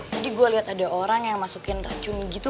tadi gue liat ada orang yang masukin racun gitu